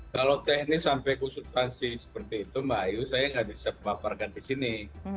kalau teknis sampai konsultasi seperti itu mbak ayu saya nggak bisa memaparkan di sini